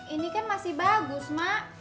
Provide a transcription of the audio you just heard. ini kan masih bagus mak